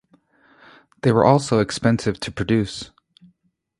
They were also expensive to produce.